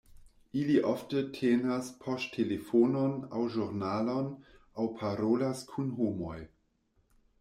Ili ofte tenas poŝtelefonon, aŭ ĵurnalon, aŭ parolas kun homoj.